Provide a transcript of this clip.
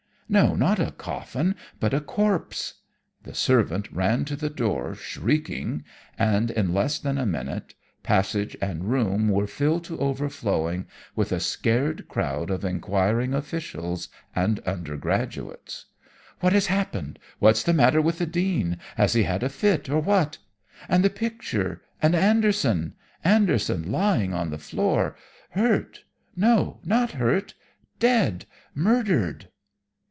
No, not a coffin, but a corpse! The servant ran to the door shrieking, and, in less than a minute, passage and room were filled to overflowing with a scared crowd of enquiring officials and undergraduates. "'What has happened? What's the matter with the Dean? Has he had a fit, or what? And the picture? And Anderson? Anderson lying on the floor! Hurt? No, not hurt, dead! Murdered!'